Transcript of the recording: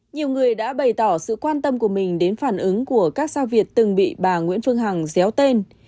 nhiều người đã bày tỏ sự quan tâm của mình đến phản ứng của các sao việt từng bị bà nguyễn phương hằng déo tên